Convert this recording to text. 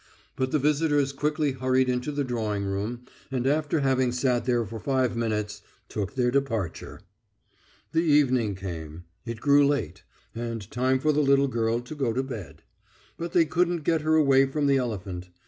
But the visitors quickly hurried into the drawing room, and after having sat there for five minutes took their departure. The evening came. It grew late, and time for the little girl to go to bed. But they couldn't get her away from the elephant.